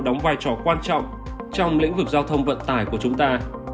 đóng vai trò quan trọng trong lĩnh vực giao thông vận tải của chúng ta